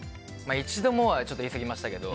一度もは言いすぎましたけど。